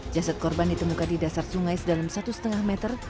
jasad korban ditemukan di dasar sungai sedalam satu lima meter